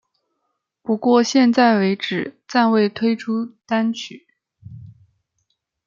不过在现时为止暂未推出单曲。